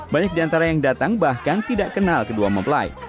banyak diantara yang datang bahkan tidak kenal kedua mempelai